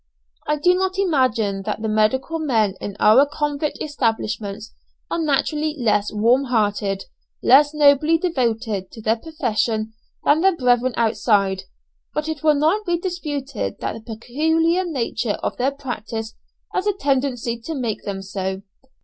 I do not imagine that the medical men in our convict establishments are naturally less warm hearted, less nobly devoted to their profession than their brethren outside, but it will not be disputed that the peculiar nature of their practice has a tendency to make them so.